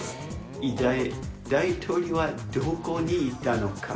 一体大統領はどこにいたのか。